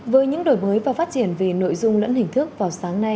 với những đổi mới và phát triển về nội dung lẫn hình thức vào sáng nay